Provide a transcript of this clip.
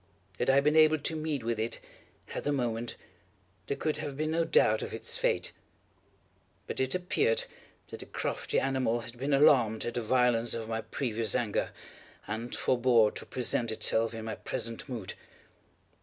Had I been able to meet with it, at the moment, there could have been no doubt of its fate; but it appeared that the crafty animal had been alarmed at the violence of my previous anger, and forebore to present itself in my present mood.